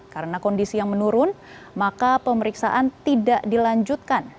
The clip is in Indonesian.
karena kondisi yang menurun maka pemeriksaan tidak dilanjutkan